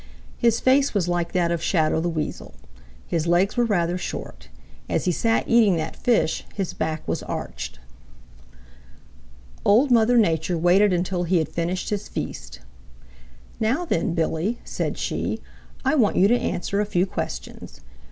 His face was like that of Shadow the Weasel. His legs were rather short. As he sat eating that fish, his back was arched. Old Mother Nature waited until he had finished his feast. "Now then, Billy," said she, "I want you to answer a few questions.